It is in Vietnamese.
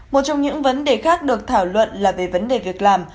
một trong những vấn đề khác được thảo luận là về vấn đề việc làm